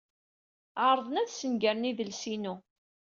Ɛerḍen ad snegren idles-inu.